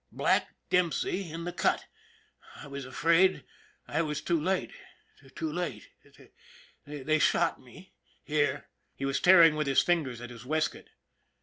Black Dempsey in the Cut. I was afraid I was too late too late. They shot me here " he was tearing with his fingers at his waistcoat.